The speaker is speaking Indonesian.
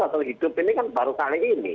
atau hidup ini kan baru kali ini